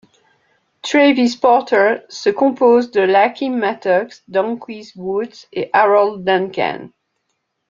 Travis Porter se compose de Lakeem Mattox, Donquez Woods et Harold Duncan.